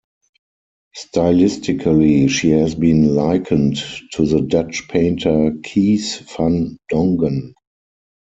Stylistically she has been likened to the Dutch painter Kees van Dongen.